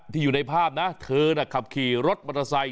อยู่ในภาพนะเธอน่ะขับขี่รถมอเตอร์ไซค